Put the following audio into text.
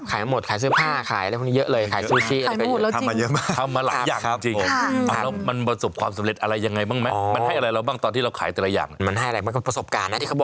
ขายหมูจุ่มอะไรอย่างนี้เยอะครับ